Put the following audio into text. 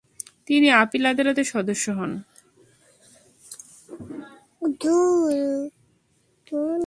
তিনি আপিল আদালতের সদস্য হন।